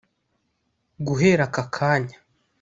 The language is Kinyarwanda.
guhera aka kanya